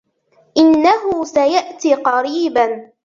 انه سيأتي قريبا.